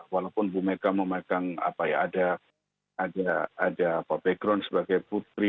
walaupun bu mega memegang apa ya ada background sebagai putri